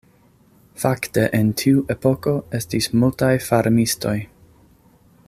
Fakte en tiu epoko estis multaj farmistoj.